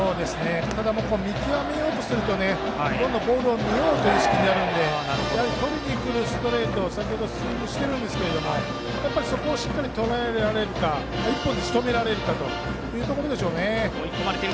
ただ、見極めようとすると今度はボールを見ようという意識になるのでとりにくるストレートをスイングしているんですがとらえられるか１本でしとめられるかというところでしょうね。